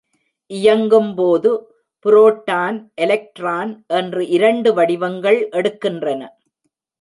இயங்கும் போது proton, electron என்று இரண்டு வடிவங்கள் எடுக்கின்றன.